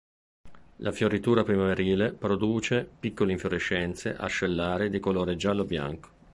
La fioritura primaverile produce piccoli infiorescenze ascellari di colore giallo-bianco.